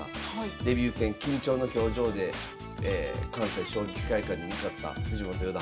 デビュー戦緊張の表情で関西将棋会館に向かった藤本四段。